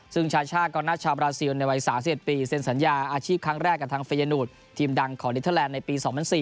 ซึ่งชาช่ากองหน้าชาวบราซิลในวัย๓๑ปีเซ็นสัญญาอาชีพครั้งแรกกับทางเฟยนูดทีมดังของนิเทอร์แลนดในปี๒๐๐๔